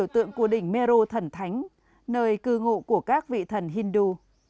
tượng của đỉnh mero thần thánh nơi cư ngụ của các vị thần hindu